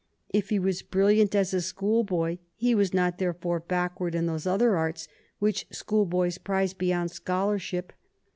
If he was brilliant as a scholar, he was not, therefore, backward in those other arts which school boys prize beyond scholarship.